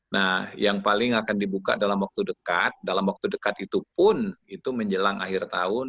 nah yang paling akan dibuka dalam waktu dekat dalam waktu dekat itu pun itu menjelang akhir tahun